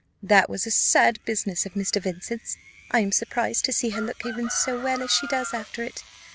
That was a sad business of Mr. Vincent's! I am surprised to see her look even so well as she does after it.